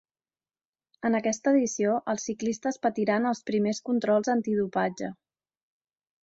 En aquesta edició els ciclistes patiran els primers controls antidopatge.